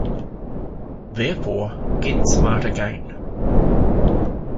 Therefore, Get Smart Again!